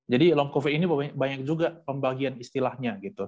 jadi long covid ini banyak juga pembagian istilahnya